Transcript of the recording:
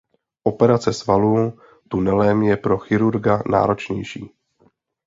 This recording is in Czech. Operace svalů tunelem je pro chirurga náročnější.